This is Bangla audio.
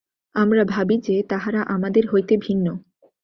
আমরা ভাবি যে, তাহারা আমাদের হইতে ভিন্ন।